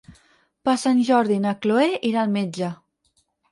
Per Sant Jordi na Chloé irà al metge.